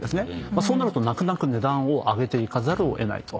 そうなると値段を上げていかざるを得ないと。